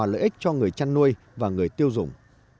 lợi ích cho người chăn nuôi và người tiêu dùng